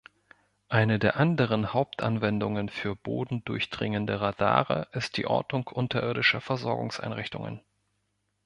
Eine der anderen Hauptanwendungen für bodendurchdringende Radare ist die Ortung unterirdischer Versorgungseinrichtungen.